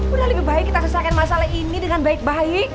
udah lebih baik kita selesaikan masalah ini dengan baik baik